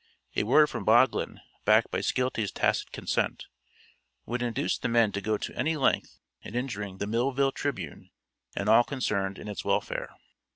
A word from Boglin, backed by Skeelty's tacit consent, would induce the men to go to any length in injuring the Millville Tribune and all concerned in its welfare.